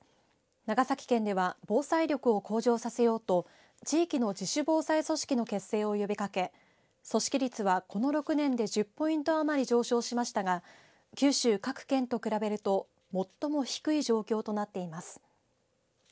長崎県では防災力を向上させようと地域の自主防災組織の結成を呼びかけ組織率は、この６年で１０ポイント余り上昇しましたが九州各県と比べると最も低い状況となっています。